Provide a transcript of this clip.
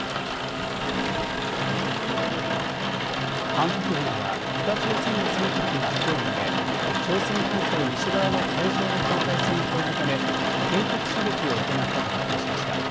韓国軍は北朝鮮の船舶がきょう未明、朝鮮半島西側の海上の境界線を越えたため警告射撃を行ったと発表しました。